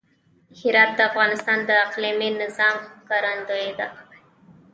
هرات د افغانستان د اقلیمي نظام ښکارندوی ده.